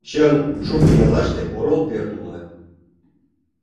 Чын, шуко яллаште орол пӧрт уло.